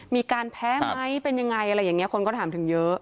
มีการแพ้ไหมเป็นยังไงอะไรอย่างนี้คนก็ถามถึงเยอะ